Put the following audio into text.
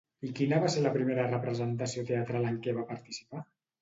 I quina va ser la primera representació teatral en què va participar?